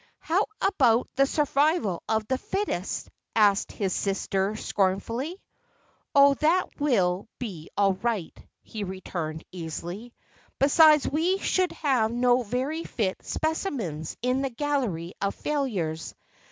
"How about the survival of the fittest?" asked his sister, scornfully. "Oh, that will be all right," he returned, easily. "Besides, we should have no very fit specimens, in a gallery of failures.